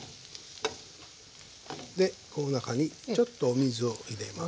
でこの中にちょっとお水を入れます。